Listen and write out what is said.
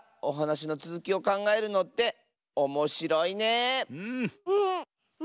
おはなしのつづきをかんがえるのっておもしろいね。